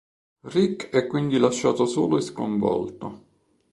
Rick è quindi lasciato solo e sconvolto.